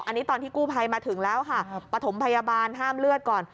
อันนี้ตอนที่กู้ภัยมาถึงแล้วค่ะปฐมพยาบาลห้ามเลือดก่อน